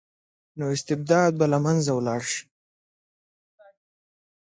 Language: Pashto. نو استبداد به له منځه لاړ شي.